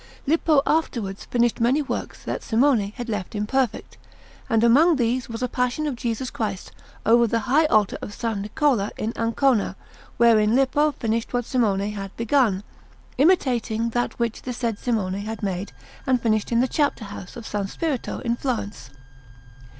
Lippo afterwards finished many works that Simone had left imperfect, and among these was a Passion of Jesus Christ over the high altar of S. Niccola in Ancona, wherein Lippo finished what Simone had begun, imitating that which the said Simone had made and finished in the Chapter house of S. Spirito in Florence.